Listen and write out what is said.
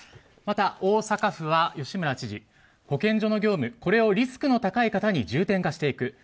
また、大阪府は吉村知事、保健所の業務をリスクの高い方に重点化していく。